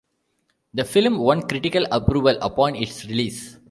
The film won critical approval upon its release.